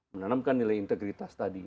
menanamkan nilai integritas tadi